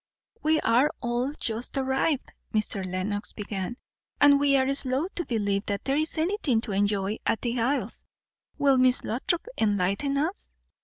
"We are all just arrived," Mr. Lenox began; "and we are slow to believe there is anything to enjoy at the Isles. Will Miss Lothrop enlighten us?"